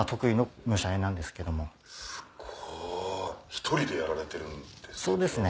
１人でやられてるんですか？